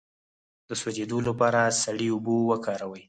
د سوځیدو لپاره سړې اوبه وکاروئ